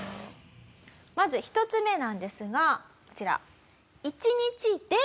まず１つ目なんですがこちら。